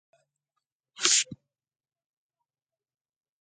نو الله تعالی د داسي چا څخه د خپلو نعمتونو متعلق